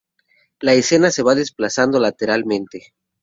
La escena se va desplazando lateralmente.